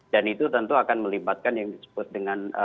dan itu tentu akan melibatkan yang disebut dengan